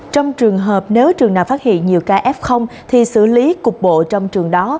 trong trường hợp nếu trường nào phát hiện nhiều ca f thì xử lý cục bộ trong trường đó